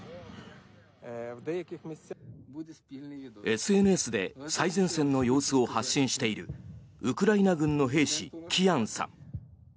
ＳＮＳで最前線の様子を発信しているウクライナ軍の兵士キヤンさん。